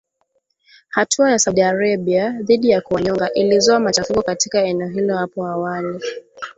Hatua ya Saudi Arabia dhidi ya kuwanyonga ilizua machafuko katika eneo hilo hapo awali